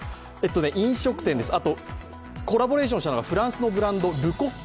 飲食店です、コラボレーションしたのがフランスのブランドル・コック。